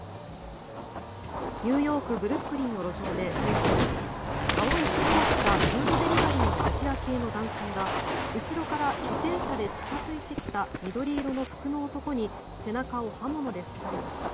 ニューヨーク・ブルックリンの路上で１３日青い服を着たフードデリバリーのアジア系の男性が後ろから自転車で近付いてきた緑色の服の男に背中を刃物で刺されました。